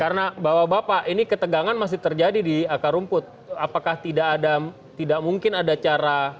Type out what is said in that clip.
karena bapak ini ketegangan masih terjadi di akar rumput apakah tidak ada tidak mungkin ada cara